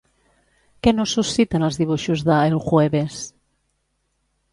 Què no susciten els dibuixos de "El Jueves"?